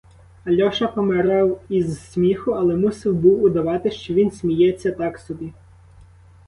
Альоша помирав із сміху, але мусив був удавати, що він сміється так собі.